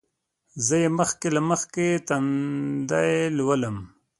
زه یې مخکې له مخکې تندی لولم.